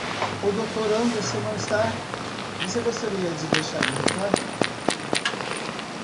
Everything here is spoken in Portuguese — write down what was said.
O Dr. Anderson não está, você gostaria de deixar um recado.